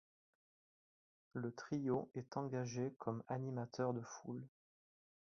Le trio est engagé comme animateurs de foules.